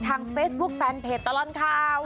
ทางเฟซบุ๊กแฟนเพจตลอดคาว